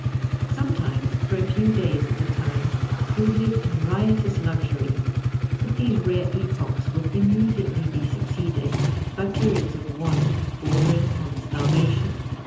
Sometimes for a few days at a time he would live in riotous luxury, but these rare epochs would immediately be succeeded by periods of want bordering on starvation.